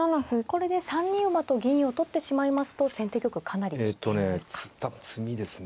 これで３二馬と銀を取ってしまいますと先手玉かなり危険ですか。